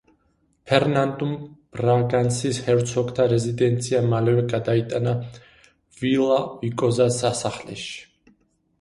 ფერნანდუმ ბრაგანსის ჰერცოგთა რეზიდენცია მალევე გადაიტანა ვილა-ვიკოზას სასახლეში.